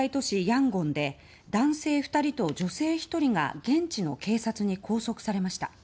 ヤンゴンで男性２人と女性１人が現地の警察に拘束されました。